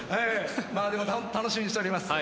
まあでも楽しみにしております。